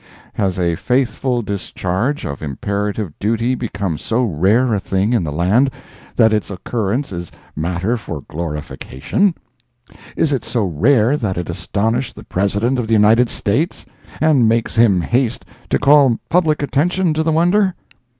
Has a faithful discharge of imperative duty become so rare a thing in the land that its occurrence is matter for glorification? Is it so rare that it astonished the President of the United States and makes him haste to call public attention to the wonder?